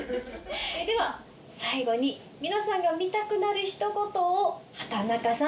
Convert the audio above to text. では最後に皆さんが見たくなるひと言を畠中さん。